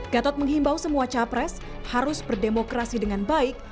gatot menghimbau semua capres harus berdemokrasi dengan baik